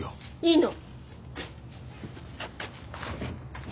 いいの。